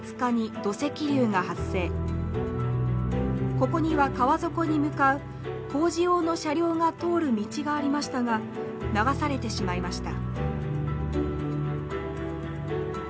ここには川底に向かう工事用の車両が通る道がありましたが流されてしまいました。